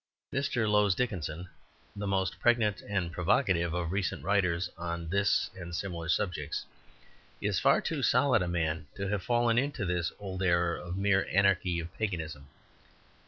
Mr. Lowes Dickinson, the most pregnant and provocative of recent writers on this and similar subjects, is far too solid a man to have fallen into this old error of the mere anarchy of Paganism.